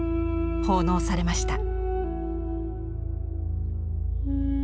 奉納されました。